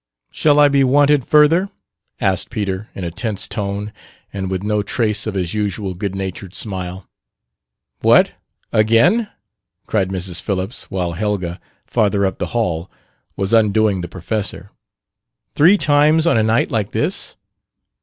"Shall I be wanted further?" asked Peter in a tense tone, and with no trace of his usual good natured smile. "What! Again?" cried Mrs. Phillips, while Helga, farther up the hall, was undoing the Professor; "three times on a night like this?